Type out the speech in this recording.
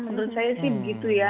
menurut saya sih